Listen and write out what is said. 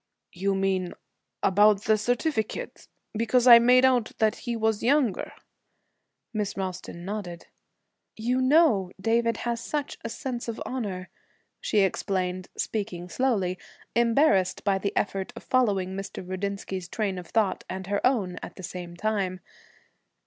'You mean about the certificate? Because I made out that he was younger?' Miss Ralston nodded. 'You know David has such a sense of honor,' she explained, speaking slowly, embarrassed by the effort of following Mr. Rudinsky's train of thought and her own at the same time.